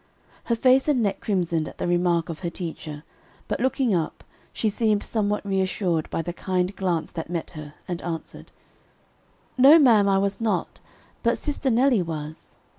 Her face and neck crimsoned at the remark of her teacher, but looking up, she seemed somewhat reassured by the kind glance that met her, and answered: "No, ma'am, I was not, but sister Nelly was."